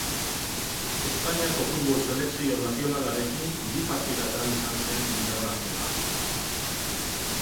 Espainiako futbol selekzio nazionalarekin bi partidatan izan zen internazional.